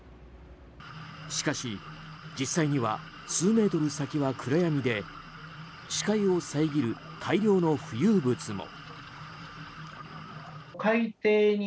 しかし、実際には数メートル先は暗闇で視界を遮る大量の浮遊物も。